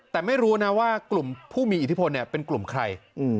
แต่ไม่รู้นะว่ากลุ่มผู้มีอิทธิพลเป็นกลุ่มใคร